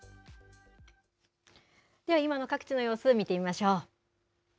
では、今の各地の様子見てみましょう。